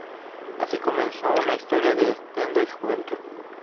Así comenzará una historia de kendo y juventud.